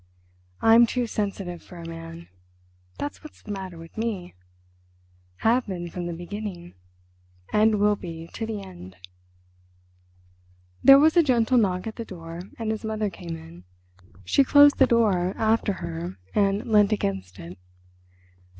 "I'm too sensitive for a man—that's what's the matter with me. Have been from the beginning, and will be to the end." There was a gentle knock at the door and his mother came in. She closed the door after her and leant against it.